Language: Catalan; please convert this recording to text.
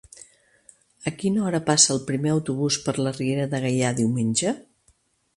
A quina hora passa el primer autobús per la Riera de Gaià diumenge?